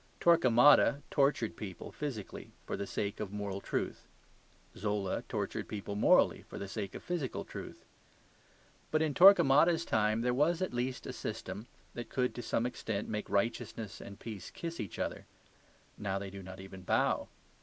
Torquemada tortured people physically for the sake of moral truth. Zola tortured people morally for the sake of physical truth. But in Torquemada's time there was at least a system that could to some extent make righteousness and peace kiss each other. Now they do not even bow.